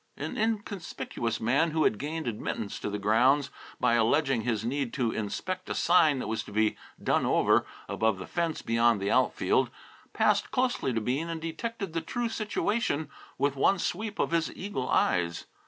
An inconspicuous man who had gained admittance to the grounds, by alleging his need to inspect a sign that was to be "done over," above the fence beyond the outfield, passed closely to Bean and detected the true situation with one sweep of his eagle eyes.